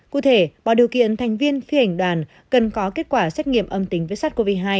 cụ thể bỏ điều kiện thành viên phi hành đoàn cần có kết quả xét nghiệm âm tính với sars cov hai